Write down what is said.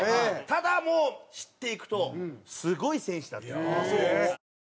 ただもう知っていくとすごい選手だった。